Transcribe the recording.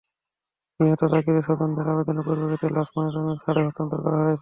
নিহত জাকিরের স্বজনদের আবেদনের পরিপ্রেক্ষিতে লাশ ময়নাতদন্ত ছাড়াই হস্তান্তর করা হয়েছে।